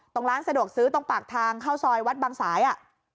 ร้านสะดวกซื้อตรงปากทางเข้าซอยวัดบางสายอ่ะ